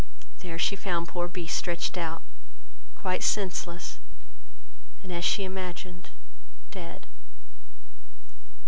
There she found poor Beast stretched out, quite senseless, and, as she imagined, dead.